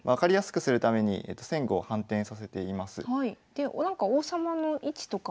でなんか王様の位置とか。